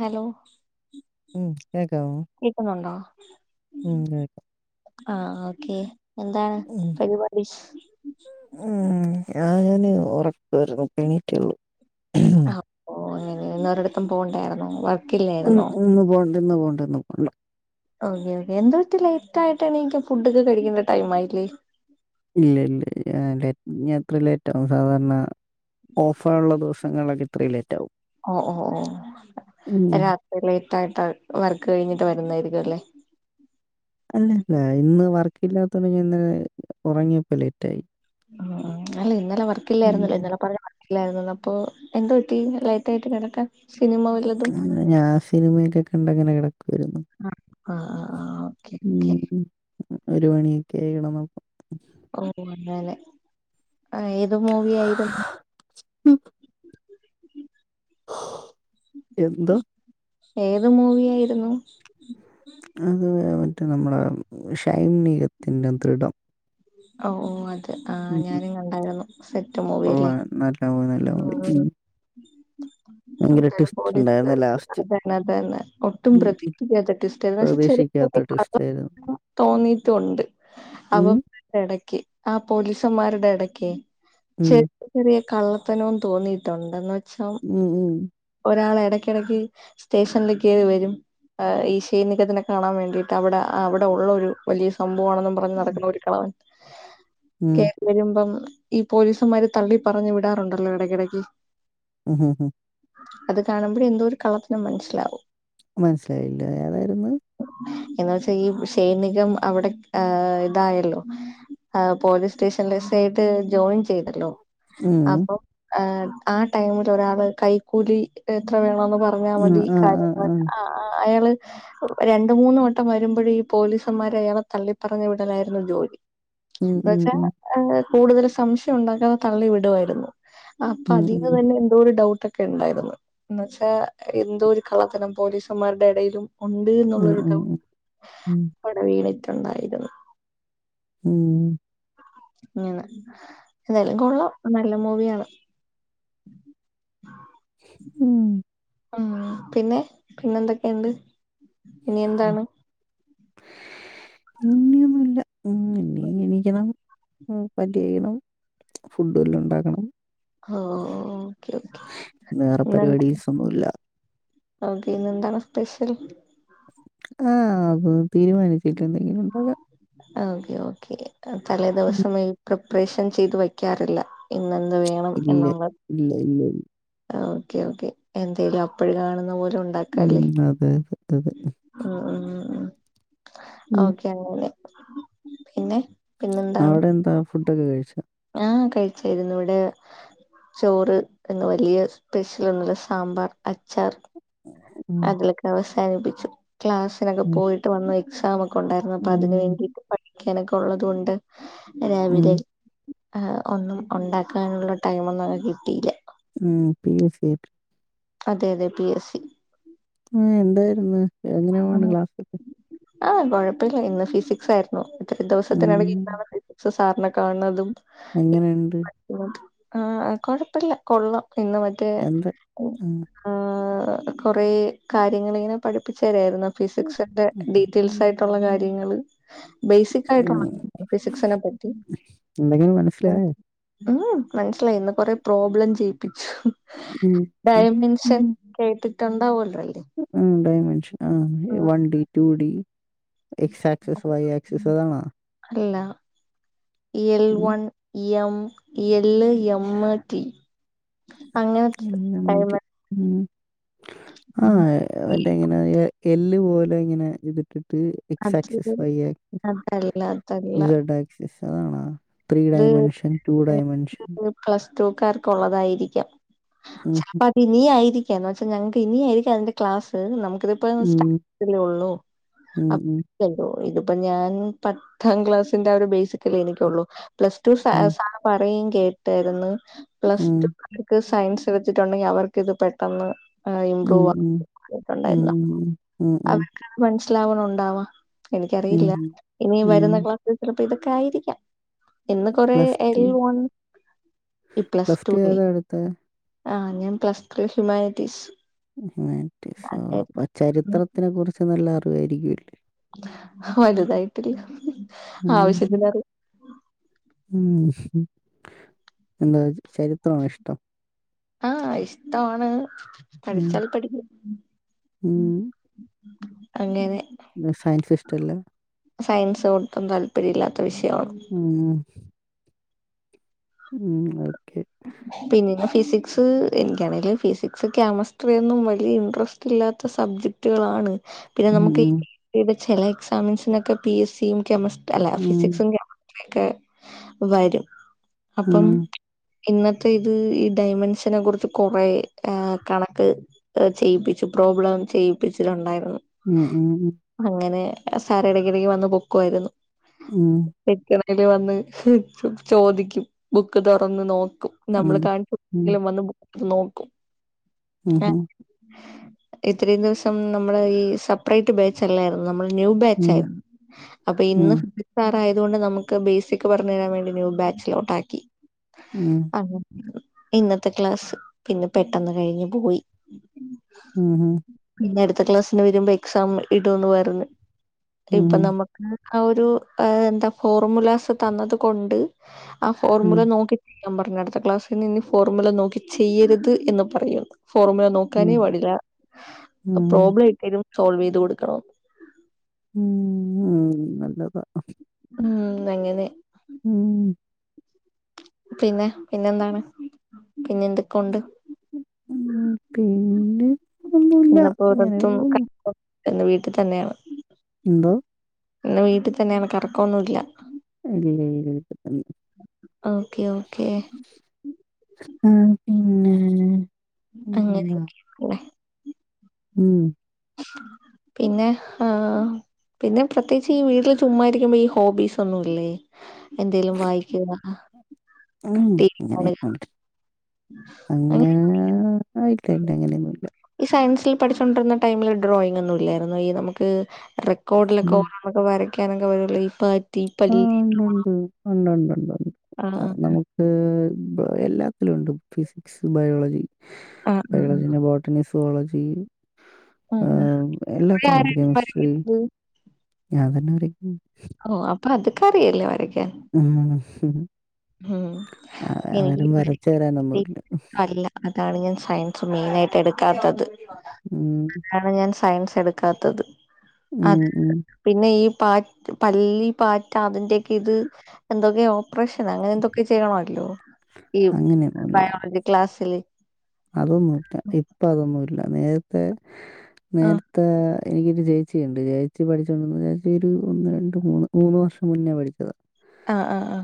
Hello ഉം കേക്കാവൊ കേക്കുന്നുണ്ടോ ഉം കേക്കാ ആഹ് ഓക്കെ എന്താണ് പരിപാടിഷ് ഉം ഞാന് ഒറക്കവാരുന്നു ഇപ്പോ എണീറ്റെള്ളൂ ഏ ഇന്നൊരിടത്തും പോണ്ടായിരുന്നോ [unintelligible] ഉം ഉം ഇന്ന് പോണ്ട ഇന്ന് പോണ്ട ഇന്ന് പോണ്ട ഓക്കെ ഓക്കെ എന്ത്‌ പറ്റി ലേറ്റ് ആയിട്ടെണീക്കാൻ ഫുഡൊക്കെ കഴിക്കേണ്ട ടൈമായില്ലേ ഇല്ല ഇല്ല ഞാൻ ലെ ഞാൻ അത്ര ലേറ്റാകും സാധാരണ ഓഫാളുള്ള ദിവസങ്ങളൊക്കെ ഇത്രയും ലേറ്റാവും ഓഹ് ഓഹ് ഓഹ് രാത്രി ലേറ്റായിട്ട വർക്ക് കഴിഞ്ഞിട്ട് വരുന്നതായിരിക്കുലേ ഇല്ലല്ല ഇന്ന് വർക്ക് ഇല്ലാത്തത്കൊണ്ട് ഞാൻ ഇന്നലെ രാ രേ ഒറങ്ങിയപ്പോ ലേറ്റായി ആഹ് ആഹ് അല്ല ഇന്നലെ ഉം വർക്കില്ലായിരുന്നല്ലോ ഇന്നലെ പർഞ്ഞ ല്ലായിരുന്നു അപ്പൊ എന്ത്‌ പറ്റി ലേറ്റ് ആയിട്ട് കെടക്കാൻ പിന്നെ ഞാൻ സിനിമയൊക്കെ കണ്ടങ്ങനെ കെട ഇരുന്നു ആഹ് ആഹ് ആഹ് ഓക്കെ ഓക്കെ ഉം ഒരു മണിയൊക്കെയായി കെടന്നപ്പൊ ഓഹ് അതാല്ലെ ആഹ് ഏത് മൂവി ആയിരുന്നു എന്തൊ ഏത് മൂവി ആയിരുന്നു മറ്റെ നമ്മളെ ഷൈൻ നികത്തിന്റെ ദൃഢം ഒ ഓഹ് അത് ആഹ് ഉം ഞാനും കണ്ടായിരുന്നു സെറ്റ് മൂവില്ലേ കൊള്ളാം നല്ല മൂവി നല്ല മൂവി ഉം ഭയങ്കര എന്താലെ ട്വിസ്റ്റ് ബോഡി ഉണ്ടായിരുന്നു [unintelligible] ലാസ്റ്റ് അതന്നെ അതന്നെ ഒട്ടും പ്രതീഷിക്കാത്തെ ട്വിസ്റ്റ്‌ ആയിരുന്നു പക്ഷേ ചെറിയെ [unintelligible] ട്വിടായിരുന്നു തോന്നീട്ടൊണ്ട് അപ്പം എടക്ക് ആഹ് പോലീസന്മാരുടെ എടയ്ക്കെ ഉം, ചെറിയൊ കള്ളത്തനോന്ന് തോന്നിട്ടുണ്ട് എന്ന് വെചം ഉം, ഉം, [unintelligible] എടക്കിടക്ക് സ്റ്റേഷൻലേക്ക് വെരും ഈ ഷൈൻ നിന്നെ കാണാൻ വേണ്ടിട്ട് അവടെ അവിടെ ഉള്ളോരു വലിയ സം പോണെന്നും പറഞ്ഞ് നടക്കുന്ന ഒരു കെളവൻ ഉം, കേറി വരുമ്പം ഈ പോലീസുമാര് തള്ളി പറഞ്ഞു വിടാറുണ്ടല്ലോ എടക്കിടക്ക് ഹ് ഹ് അത് കാണുമ്പഴെ എന്തോ ഒരു കള്ളത്തരം മനസ്സിലാവും മനസ്സിലായില്ല ഏതായിര്ന്ന് എന്ന് വെച്ചാ ഈ ഷൈമികം അവിടെ ഏഹ് ഇതായല്ലോ പോലീസ് സ്റ്റേഷൻല് എസ് ഐ ആയിട്ട് ജോയിൻ ചെയ്തല്ലോ ഉം, അപ്പം ആ ടൈമില് ഒരാള് കൈക്കൂലി എത്ര വേണോന്ന് പറഞ്ഞാൽ ആ, മതി ആ, ആ, കാര്യങ്ങള് ആ. അയാള് രണ്ട് മൂന്ന് വട്ടം വരുമ്പോഴ് ഈ പോലീസന്മാരെ അയാളെ തള്ളിപ്പറഞ് വിടലായിരുന്നു ജോലി ഉം, എന്ന് ഉം, വച്ച ഉം, കൂടുതൽ സംശയം ഉണ്ടാക്കാതെ തള്ളി വിടുവായിരുന്നു അപ്പൊ ഉം, അതിന് തന്നെ എന്തോ ഒരു ഡൗട്ട് ഒക്കെ ഉണ്ടായിരുന്നു എന്ന് വച്ചാ എന്തോ ഒരു കള്ളത്തരം പോലീസുമാരുടെ എടയിലും ഉണ്ട് ഉം, എന്നുള്ളൊരു ക ഉം, ഉം, അവിടെ വീണിട്ടുണ്ടായിരുന്നു ഉം ഇങ്ങന്ന് എന്തായാലും കൊള്ളോ നല്ല മൂവിയിയാണ് ഉം പിന്നെ പിന്നെ എന്തൊക്കെയുണ്ട് ഇനി എന്താണ് ഇനന്നല്ല ഉ ഇീ എനിക്കണം പറ്റേക്കണം ഫുഡ് എല്ലാം ഉണ്ടാക്കണം ആഹ ഓക്കെ ഓെ വേറെ നന്ദ പരിപാടീസ് ഒന്നുമില്ല ഓക്കെ ഇന്നെന്താണ് സ്പെഷ്യൽ ആഹ് അത് തീരുമാനിച്ചിട്ട എന്തെങ്കിലും ഉണ്ടോ അ ഓകെ ഓക്കെ തലേ ഉം. ദിവസം ഈ പ്രിപ്പറേഷൻ ചെയ്ത് വെക്കാറില്ല ഇന്ന എന്ത് വേണം ഇല്ല എന്നണ്ട് ഇല്ല ഇല്ല ഓക്കേ ഓക്കെ എന്തേലും അപ്പോഴും കാണുന്ന പോലെ ഉം അതെ അതെ അതെ. ഉ ഉ ഉ ഉം. ഓക്കെ അെ പിന്നെ പിന്നെ എന്താണ് അവിടെ എന്താ ഫുഡൊക്കെ കഴിച്ചോ? ആഹ കഴിച്ചായിരുന്നു ഇവിടെ ചോറ് എന്നന്ന് വലിയ സ്പെഷ്യൽ ഒന്നുംുമല്ല സാമ്പാർ അച്ചാർ ഉം. അതിലൊക്കെ അവസാനിപ്പിച്ചു ക്ലാസ്സിനൊക്കെ ഉം. പോയിട്ട് വന്നു എക്സാം ഒക്കെ ണ്ടായിരുന്നു അപ്പൊ അതിനന് ഉം. വേണ്ടിട്ട് പഠിക്കാനൊക്കെ ഉള്ളതൊണ്ട് രാവിലെ ഉം. ഒന്നും ഉണ്ടാക്കാനുള്ള ടൈമ ഒന്നുംക്കെ കിട്ടിയില്ല ഉം പി സ അതെ അതെ പി എസ് സി ആ എന്തായിരുന്നു എങ്ങനെ പോണ് ക്ലാസ്ൽ ആഹ് കുഴപ്പമില്ല ഇന്ന് ഫിസിക്സ് ആയിരുന്നു ഇത്ര ദിവസത്തിനിടക്ക് ഉം. ഇന്നാണ് ഫിസിക്സ് സാറിനെ കാണുന്നതും അങ്ങനെണ്ട് ആ കൊഴപ്പില്ല കൊള്ളാം ഇന്ന് മറ്റേ എന്താ ഉം. ആ കൊറ കാര്യങ്ങള ഇങ്ങനെ പഠിപ്പിച്ചു തരായിരുന്നു ഫിസിക്സ്ന്റെ ഡീറ്റെയിൽസ് ആയിട്ട് [unintelligible] ള്ള കാര്യങ്ങ ബേസിക് ആയിട്ട് ഉം. ഫിസിക്സിനെ പറ്റി എന്തെങ്കിലും മനസ്സിലായോ? മനസ്സിലായി ഇന്ന് കൊറെ പ്രോബ്ലം ചെയ്യിപ്പിക്കും ഉം. ഉം. ഡയമെൻഷൻ ഉം. കേട്ടിട്ടുണ്ടാവൂല്ലല്ലേ ഡമെൻഷൻ ആ one D two D എക്സ axis Y axis സധണ അല്ല L one M L M T അങ്ങനെ [inaudible] ആഹ് അവറ്റ ഇങ്ങനെ എല്ല് പോലെ ഇങ്ങനെ ഇതിട്ട് അത് എക്ക്സസ് വസ് അതല്ല അതല്ല ഇക്സസ് അതണ ത്രീ ഡയമെൻഷൻ ടു ഡൈമെൻഷൻ ഉം ത്തൂക്കാർക്കള്ളതായിരിക്കാംപ്പ ഉം. അത്ന ആയിരിക്കും ന്ന് വൊൽ ഞങ്ങക്ക് ഇനിയായിരിക്കും അന്റെ ക്ലസ് നമുക്ക് ഇപ്പോ സ്റ്റാേ ഉള്ളൂ ഉം അോ ഉം ഇതിപ്പോ ഞാൻ പത്താം ക്ലാസിന്റെ ഒരു ബേസിക്കല എനിക്കുള്ളു പ്ലസ് ടു സ ഉം സാ പറയുകയും കേട്ടായിരുന്നു പ്ലസ് ടു ഉം നക്ക് സയൻസ് വെച്ചിട്ടുണ്ടെങ്കിൽ അവർക്ക് ഇത് പെട്ടെന്ന് ഉം ഉം ഇമ്പ്രൂവ് ഉം ഉം ആട്ടുണ്ടായിരുന്നു ഉം ഉം അവർക്കാണാ മനുഷ്യൻ മനസ്സിലാവണം ഉണ്ടാവാ ഉം എനിക്കറിയില്ല ഉം. ഇനി ഉം. വരുന്ന ക്ലാസ്സിൽ ചിലപ്പോ ഇതൊക്കെ ആയിരിക്കാം ഇന്ന് കൊറെ പ്ലസ് എൽ വൺ ഈ പ്ലസ് ടുവെ ഏതാ എടുത്തേ? ആഹ് ഞാൻ പ്ലസ് ത്രീ ഹ്യുമാനിറ്റീസ് ഹുമാൻ റ്റീസോ അപ്പൊ ചരിത്രത്തിനെ കുറിച്ച് നല്ല അറിവായിരിക്കുംല്ലേ വലുതായിട്ടില്ല ഉം ആവശ്യത്തിന് അറി ഉം എന്താ ചരിത്രമാണോ ഇഷ്ടം ആഹ് ഇഷ്ടമാണ് ഉം പഠിച്ചാൽ പഠിക്കും ഉം. അങ്ങെനേ സയൻസ് ഇഷ്ടല്ല സയൻസ് ഒട്ടും താല്പര്യ ഇല്ലാത്ത വിഷയമാണ് ഉം ഉം ഓക്കെ ഉം പിന്നെ ഫിസിക്സ് എനിക്കാണെങ്കില് ഫിസിക്സ് കെമിസ്ട്രിയൊന്നും വലിയ ഇൻട്രസ്റ്റ് ഇല്ലാത്ത സബ് ജെക്ട്കളാണ് പിന്നെ നമുക്ക് ചില എക്സാമിൻസിനൊക്കെ പി എസ് സിയും കെമസ്ട്രി അല്ല ഫിസിക്സും കെമിസ്ട്രിയൊക്കെ വരും അപ്പം ഇന്നത്തെ ഇത് ഈ ഡയമെൻഷനെ കുറിച്ച് കൊറെ കണക്ക് ചെയ്യിപ്പിച്ചു പ്രോബ്ലം ചെയ്യിപ്പിച്ചിട്ടുണ്ടായിരുന്നു ഉം ഉം അങ്ങനെ സാർ ഇടയ്ക്കിടക്ക് വന്ന് പൊക്കുവായിരുന്നു ഉം ഇൽ വന്ന് ചോദിക്കും ബുക്ക് തുറന്ന് നോ ക്കും നമ്മള് [inaudible] വന്ന് ബുക്ക്‌ നോക്കും ഉം ഉം ഇത്രയും ദിവസം നമ്മള് ഈ സെപ്പറേറ്റ് ബേച്ചല്ലായിരുന്നു നമ്മള് ന്യൂ ബാച്ചായിരുന്നു അപ്പൊ ഇന്ന് [inaudible] ആയതുകൊണ്ട് നമുക്ക് ബേസിക് പറഞ്ഞു തരാൻ വേണ്ടി ന്യൂ ബാച്ച് ലോട്ടാക്കി അതെ ഇന്നത്തെ ക്ലാസ് പിന്നെ പെട്ടെന്ന് കഴിഞ്ഞ് പോയി ഉം ഉം പിന്നെ അടുത്ത ക്ലാസ്സിന് വരുമ്പോ എക്സാം ഇടുന്ന് പറഞ്ഞ് ഇപ്പൊ നമുക്ക് ആ ഒരു എന്താ ഫോർമുലാസ് തന്നത് കൊണ്ട് ആ ഫോർമുല നോ ഞാൻ പറഞ്ഞു അടുത്ത ക്ലാസ്സിന് ഇനി ഫോർമുല നോക്കി ചെയ്യരുത് എന്ന് പറയുള്ളൂ ഫോർമുല നോക്കാനേ പടില്ല പ്രോബ്ലം ഇട്ടാലും സോൾവ് ചെയ്ത് കൊടുക്കണം ഉം നല്ലതാ ഉം അങ്ങനെ ഉം പിന്നെ പിന്നെന്താണ് പിന്നെ എന്തൊക്കെ ഉണ്ട് ഉം പിന്നെ ഒന്നുമില്ല ഇന്നിപ്പോ അങ്ങനെ പോകുന്നു പുറത്തൊന്നും [inaudible] ഇന്ന് വീട്ടിൽ തന്നെയാണ് എന്തോ ഇന്ന് വീട്ടിൽ തന്നെയാണ് കറക്കൊന്നുംല്ല ഇല്ല വീട്ടിൽ തന്നെ ഓക്കെ ഓക്കെ ആ പിന്നെ അങ്ങനെയൊക്കെ എന്താ ആണല്ലേ ഉം പിന്നെ ആഹ് പിന്നെ പ്രത്യേകിച്ച് ഈ വീട്ടില് ചുമ്മാരിക്കുമ്പോ ഈ ഹോബീസ് ഒന്നും ഇല്ലേ എന്തേലും വായിക്കുക ഉം, ഡൈലി ഹോബി അങ്ങനെയൊന്നുമില്ല അങ്ങനെ ആയിട്ടല്ല അങ്ങനെയൊന്നുംല്ല ഈ സയൻസിൽ പഠിച്ചുകൊണ്ടിരുന്ന ടൈമില് ഡ്രോയിങ് ഒന്നും ഇല്ലായിരുന്നു ഈ നമുക്ക് റെക്കോർഡിലൊക്കെ അങ്ങനെയൊന്നുമില്ല ഓരോന്നൊക്കെ വര ക്കാനൊക്കെ വരൂ ഈ ആ പല്ലി ഉണ്ട്ണ്ട് ഉണ്ട് ഉണ്ട് ഉണ്ട് ആഹ് കാരണം നമുക്ക് എല്ലാത്തിലും ഉണ്ട് ഫിസിക്സ് ബയോളജി, ആഹ് ആഹ് ബയോളജീ, ബോട്ടണി, സോളജി ആഹ് ആ ആഹ് ആഹ് ആഹ് അവിടെ എല്ലാത്തിലും ഉണ്ട്. ആരായിരുന്നു കെമിസ്ട്രി വരയ്ക്കുന്നത്? ഞാൻതന്നെ വരയ്ക്കും ഓ അപ്പൊ അത്ഒക്കെ അറിയില്ലേ വരയ് ആ ഹും ഉം ആ എനിക്ക് ആരും മറ്റേ വരച്ചുതരാനൊന്നുമില്ല. അല്ല ഞാൻ സയൻസ്മെയിനായിട്ട് എടുക്കാത്തത്. ഉം. സയൻസ് എടുക്കാത്തത്. അ ഉം, ഉം. പിന്നെ ഈ പാ പല്ലി, പാറ്റ അതിന്റെ ഒക്കെ ഇത് എന്തൊക്കെ ഓപ്പറേഷൻ അങ്ങനെ എന്തൊക്കെ ചെയ്യണമല്ലോ ഈ ബയോളജി ക്ലാസ്സിൽ? അതൊന്നുമില്ല. ഇപ്പ അതൊന്നും ഇല്ല. നേരത്തെ ആഹ് നേരത്തെ എനിക്കൊരു ചേച്ചിയുണ്ട്. ചേച്ചി പഠിച്ചുകൊണ്ടിരുന്നത് എന്റെ ഒരു ഒന്ന് രണ്ട് മൂന്ന് മൂന്ന് വർഷം മുന്നേ പഠിച്ചതാ. ആ ആ ആ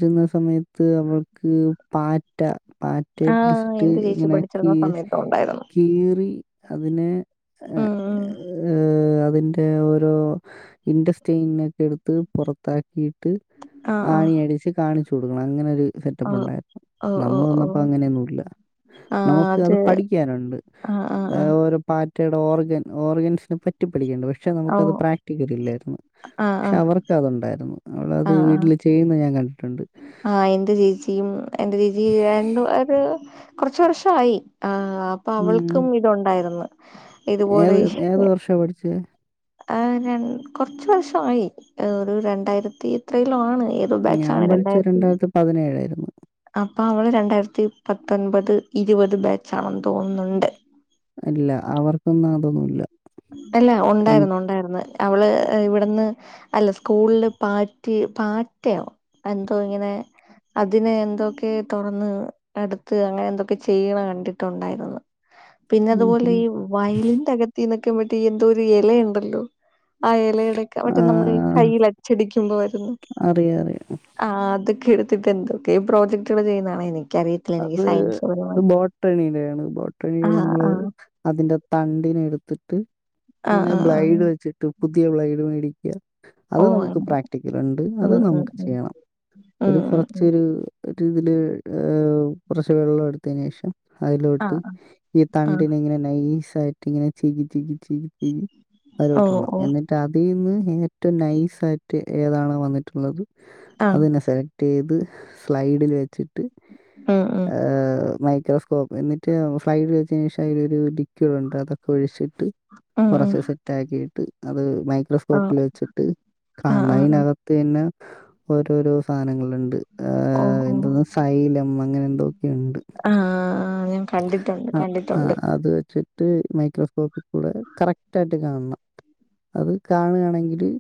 പറ്റുന്ന സമയത്ത് അവൾക്ക് പാറ്റ പാറ്റയെ പിടിച്ച ആഹ് ഇട്ട് എന്റെ ചേച്ചി ഇങ്ങനെ കീ പഠിച്ചിരുന്ന സമയത്ത് ഉണ്ടായിരുന്നു കീറി അതിനെ ഉം ഉം ഏ അതിന്റെ ഓരോ ഇന്റസ്റ്റ് ചെയ്യുന്ന തൊക്കെ എടുത്ത് പുറത്താക്കി ട്ട് ആഹ് ആണിയടിച്ച് കാണിച്ചു കൊടുക്കണം. അങ്ങനെരു സെറ്റപ്പ് ആഹ് ഉണ്ടായിരുന്നു. ഓഹ് ഓഹ് നമ്മള് ഓഹ് വന്നപ്പോ ഓഹ് അങ്ങനെയൊന്നുമില്ല. നമുക്ക് അത് പഠിക്കാനുണ്ട്. ആഹ് ആഹ് ആഹ് ഓരോ പ മറ്റയുടെ ഓർഗൻ ഓഗൻസിനെ പറ്റിപ്പഠിക്കണ്ട്. പക്ഷെ നമുക്കത് ഓഹ് പ്രാക്ടിക്കല് ഇല്ലായിരുന്നു. പക്ഷെ അവർക്ക് അതുണ്ടായിരുന്നു. ആ അവളത് വീട്ടിൽ ചെയ്യുന്നത് ഞാൻ കണ്ടിട്ടുണ്ട്. ആ എന്റെ ചേച്ചിയും എന്റെ ചേച്ചി രണ്ടു കുറച്ച് വർഷം ആയി ആ അപ്പൊ ഉം. അവൾക്കും ഇതുണ്ടായിരുന്നു. ഇതുപോലെ ഏത് ഏത് വർഷാ പഠിച്ചേ ആ ര കുറച്ച് വർഷമായി ഒരു രണ്ടായിരത്തി ഇത്ര ല ആണ് ഏതോ ഞാൻ ബാച്ചാണ് പഠിച്ചത് രണ്ടായിരത്തി പതിനേഴായിരുന്നു അപ്പൊ അവള് രണ്ടായിരത്തി പത്തൊൻപത് ഇരുപത് ബാച്ചാ ണെന്ന് തോന്നുന്നുണ്ട്. ഇല്ല. അവർക്കൊന്നും അതൊന്നുമില്ല. അല്ല ഉണ്ടായിരുന്നു. ഉണ്ടായിരുന്നു. അവള് ഇവിടുന്ന് അല്ല സ്കൂളില് പ പാറ്റയോ എന്തോ ഇങ്ങനെ അതിനെ എന്തൊക്കെ തുറന്ന് എടുത്ത് അങ്ങനെ എന്തൊക്കെ ചെയ്യണം കണ്ടിട്ടുണ്ടായിരുന്നു. പിന്നെ ഉം അതുപോലെ ഉം ഈ വയലിന്റെ അകത്തിന്നൊക്കെ ഇവര് എന്തോ ഒരു ഇലയ ഉണ്ടല്ലോ? അയല എടക്ക മറ്റേ നമ്മള് ആഹ് കയ്യിൽ അച്ചടിക്കുമ്പോ വരുന്ന അറിയാം അറിയാം ആ അതൊക്കെ എടുത്തിട്ട് എന്തൊക്കയോ പ്രോജക്ടുകൾ ചെയ്യുന്നത് കാണാം. എനിക്ക് അത് സയൻസ് അത് പരമായിട്ട് ബോട്ടണിയിലെയാണ് ബോട്ടണിൽ ആ നമ്മള് ആ അതിന്റെ തണ്ടിനെ എടുത്ത് ത്തിട്ട് ആ ഇതിനെ ആ ആ ബ്ലൈഡ് വെച്ചിട്ട് പുതിയ ബ്ലൈഡ് മേടിക്കുക- അത് ഓ നമുക്ക് അങ്ങനെ പ്രാക്ടിക്കൽ ഉണ്ട്. അത് ഉം ഉം നമുക്ക് ഉം ചെയ്യണം. ഉം ഒരു ഉം ഉം കുറച്ചൊരു ഇതില് ഏ കുറച്ച് വെള്ളം എടുത്തതിന് ശേഷം ആ അതിലോട്ട് ഈ ആ തണ്ടിനെ ഇങ്ങനെ നൈസായിട്ട് ഇങ്ങനെ ചികി ചികിചികി ചികി ഓ അതിലോട്ടിണം ഓ എന്നിട്ട് അതിന്ന് ഏറ്റവും നൈസ് ആയിട്ട് ഏതാണ് വന്നിട്ടുള്ളത് ആഹ് അത്ന്നെ സെലക്ട് ചെയ്ത് സ്ലൈഡിൽ വെച്ചിട്ട് ആ ആ മൈക്രോ എന്നിട്ട് ഫ്ലൈറ്റ് വെച്ചതിന് ശേഷം അതിലൊരു ലിക്കുഡ് ഉണ്ട് അതൊക്കെ ഒഴിച്ചിട്ട് ഉം ഉം കുറച്ച് സെറ്റ് ആക്കിട്ട് അത് ആഹ് മൈക്രോസ്കോപ്പിൽ വെച്ചിട്ട് ആഹ് കാണണം ആഹ് ആഹ് അതിനകത്ത് തന്നെ ഓരോരോ സാധനങ്ങളുണ്ട്. എന്തോന്ന് സൈലം അങ്ങനെ ആ ആ ആ അത് വെച്ച ട്ട് മൈക്രോസ്കോപ്പിൽ കൂടെ കറക്റ്റ് ആയിട്ട് കാണണം. അത് കാണുകയാണെങ്കില്